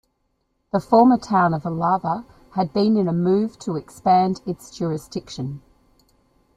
The former town of Alava had been in a move to expand its jurisdiction.